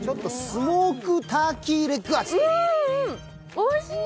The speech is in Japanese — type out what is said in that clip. おいしい！